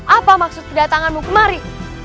apa maksud kedatanganmu kemari